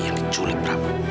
yang diculik prabu